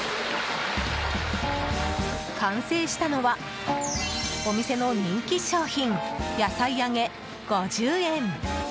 完成したのは、お店の人気商品野菜揚げ、５０円。